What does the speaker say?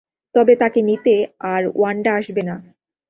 তবে তাকে নিতে আর ওয়ান্ডা আসবে না।